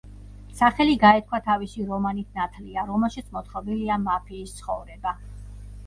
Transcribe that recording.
სახელი გაითქვა თავისი რომანით „ნათლია“, რომელშიც მოთხრობილია მაფიის ცხოვრება.